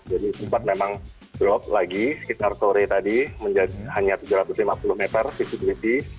sempat memang drop lagi sekitar sore tadi hanya tujuh ratus lima puluh meter cctv